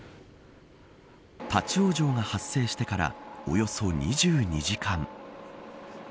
立ち往生が発生してからおよそ２２時間。